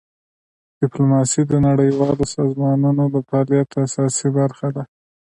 ډیپلوماسي د نړیوالو سازمانونو د فعالیت اساسي برخه ده.